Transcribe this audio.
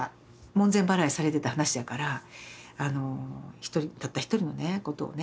門前払いされてた話やからたった一人のねことをね